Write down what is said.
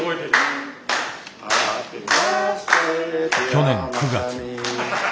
去年９月。